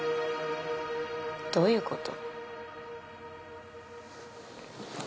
どういうこと？